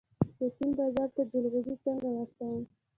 د چین بازار ته جلغوزي څنګه واستوم؟